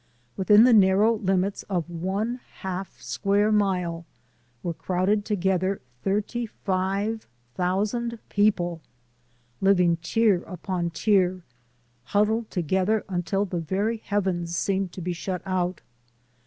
Within the narrow limits of one half square mile were crowded together thirty five thousand people, living tier upon tier, huddled together until the very heavens seemed to be shut out.